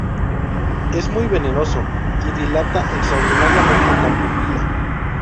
Es muy venenoso y dilata extraordinariamente la pupila.